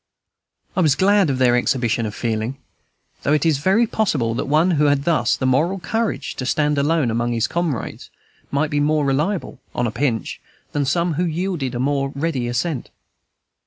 I was glad of their exhibition of feeling, though it is very possible that the one who had thus the moral courage to stand alone among his comrades might be more reliable, on a pinch, than some who yielded a more ready assent.